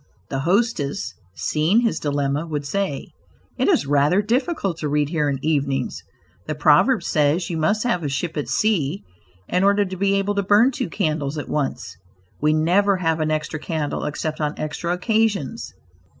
The hostess, seeing his dilemma, would say: "It is rather difficult to read here evenings; the proverb says 'you must have a ship at sea in order to be able to burn two candles at once;' we never have an extra candle except on extra occasions."